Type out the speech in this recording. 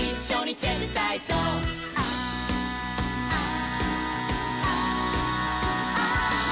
あ！